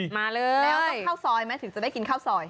มาเลยแล้วต้องเข้าซอยไหมถึงจะได้กินข้าวซอย